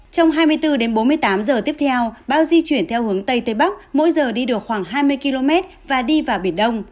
trong hai mươi bốn bốn mươi tám giờ tiếp theo bão di chuyển theo hướng tây tây bắc mỗi giờ đi được khoảng hai mươi km và đi vào biển đông